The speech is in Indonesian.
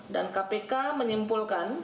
dan kpk menyimpulkan